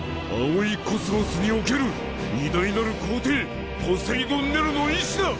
葵宇宙における偉大なる皇帝ポセイドン・ネロの意志だ！